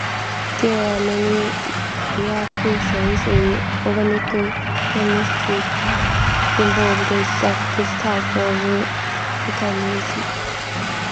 There are many reactions in organic chemistry involve this type of mechanism.